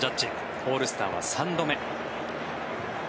オールスターは３度目。